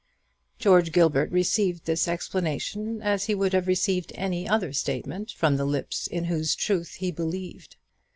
George Gilbert received this explanation as he would have received any other statement from the lips in whose truth he believed.